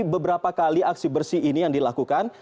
beberapa kali aksi bersih ini yang dilakukan